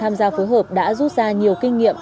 tham gia phối hợp đã rút ra nhiều kinh nghiệm